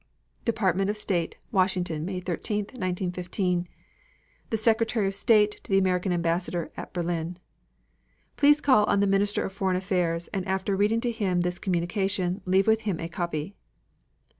DEPARTMENT OF STATE, WASHINGTON, MAY 13, 1915. The Secretary of State to the American Ambassador at Berlin: Please call on the Minister of Foreign Affairs and after reading to him this communication leave with him a copy.